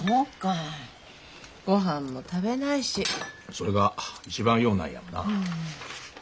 それが一番ようないんやもな。